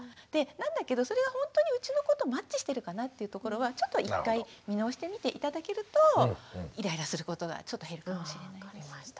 なんだけどそれがほんとにうちの子とマッチしてるかなっていうところはちょっと１回見直してみて頂けるとイライラすることがちょっと減るかもしれないです。